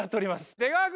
出川君！